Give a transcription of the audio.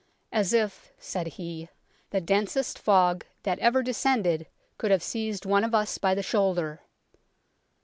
"As if (said he) the densest fog that ever descended could have seized one of us by the shoulder